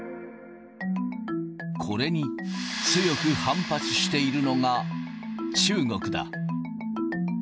これに強く反発しているのが中国だ。